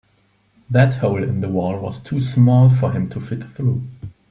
That hole in the wall was too small for him to fit through.